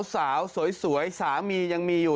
สาวสวยสามียังมีอยู่